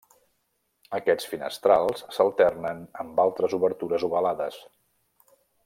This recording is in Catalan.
Aquests finestrals s'alternen amb altres obertures ovalades.